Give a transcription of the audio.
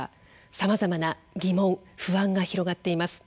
さまざまな疑問不安が広がっています。